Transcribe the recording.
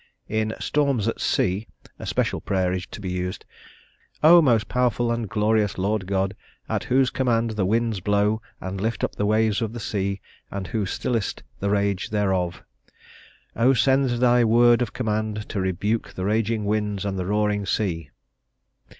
In "storms at sea," a special prayer is to be used; "O most powerful and glorious Lord God, at whose command the winds blow, and lift up the waves of the sea, and who stillest the rage thereof:" "O send thy word of command to rebuke the raging winds and the roaring sea."